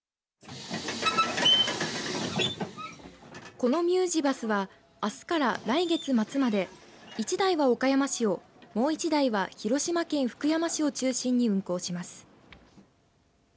このミュージバスはあすから来月末まで１台は岡山市をもう１台は広島県福山市を中心に運行します。